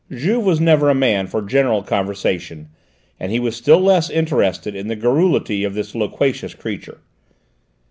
Juve was never a man for general conversation, and he was still less interested in the garrulity of this loquacious creature.